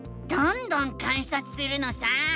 どんどん観察するのさ！